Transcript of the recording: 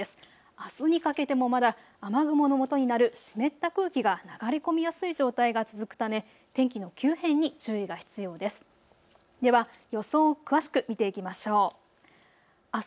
あすにかけてもまだ雨雲のもとになる湿った空気が流れ込みやすい状態が続くため天気の急変に注意が必要です。